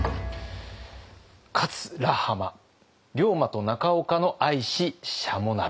「勝ら浜龍馬と中岡の愛ししゃも鍋」。